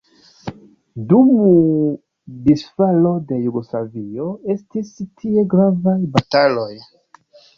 Dum disfalo de Jugoslavio estis tie gravaj bataloj.